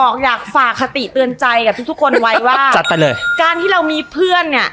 กับทุกทุกคนไว้ว่าจัดไปเลยการที่เรามีเพื่อนเนี้ย